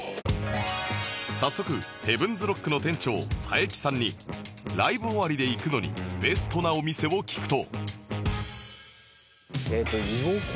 早速 ＨＥＡＶＥＮ’ＳＲＯＣＫ の店長佐伯さんにライブ終わりで行くのにベストなお店を聞くと